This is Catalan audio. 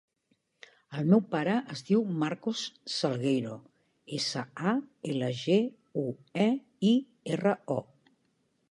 El meu pare es diu Marcos Salgueiro: essa, a, ela, ge, u, e, i, erra, o.